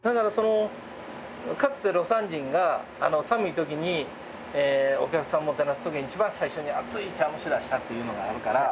かつて魯山人が寒いときにお客さんをもてなすときにいちばん最初に熱い茶碗蒸しを出したっていうのがあるから。